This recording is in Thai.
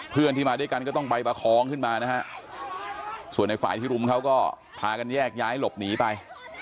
เพื่อนที่มาด้วยกันก็ต้องไปประคองขึ้นมานะฮะส่วนในฝ่ายที่รุมเขาก็พากันแยกย้ายหลบหนีไป